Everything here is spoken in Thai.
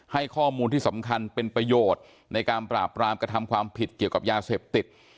ให้ข้อมูลที่สำคัญเป็นประโยชน์ในการปราบรามกระทำความผิดเกี่ยวกับยาเสพติด